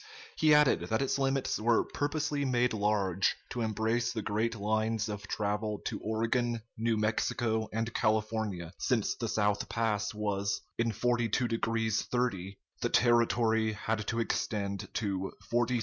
He added that its limits were purposely made large to embrace the great lines of travel to Oregon, New Mexico, and California; since the South Pass was in 42 degrees 30', the Territory had to extend to 43 degrees north.